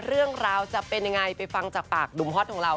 เรื่องราวจะเป็นยังไงไปฟังจากปากหนุ่มฮอตของเรา